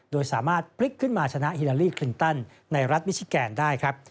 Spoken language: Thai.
โดยสามารถพลิกขึ้นมาชนะฮิลาลีคลินตันในรัฐมิชิแกนได้ครับ